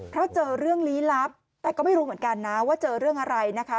เพราะเจอเรื่องลี้ลับแต่ก็ไม่รู้เหมือนกันนะว่าเจอเรื่องอะไรนะคะ